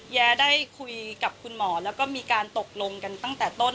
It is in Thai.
แย้ได้คุยกับคุณหมอแล้วก็มีการตกลงกันตั้งแต่ต้น